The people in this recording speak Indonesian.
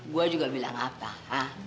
gue juga bilang apa